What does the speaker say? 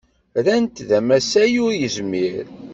Rran-t d amasay ur yezmir.